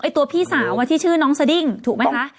ตัวพี่สาวที่ชื่อน้องสดิ้งถูกไหมคะ